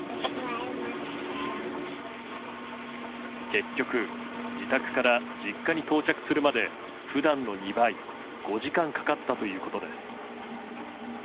結局自宅から実家に到着するまで普段の２倍５時間かかったということです。